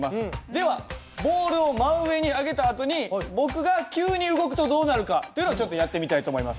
ではボールを真上に上げたあとに僕が急に動くとどうなるかというのをちょっとやってみたいと思います。